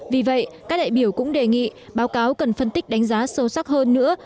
vì vậy các đại biểu cũng đề nghị báo cáo cần phân tích đánh giá sâu sắc hơn nữa